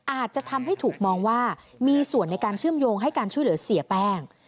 อาจจะทำให้ถูกมองว่ามีส่วนในการเชื่อมโยงให้การช่วยเหลือเสียแป้ง